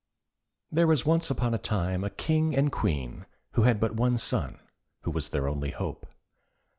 There was once upon a time a King and Queen who had but one son, who was their only hope.